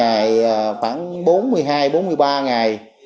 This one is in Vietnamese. vậy là manh mối đã được mở ra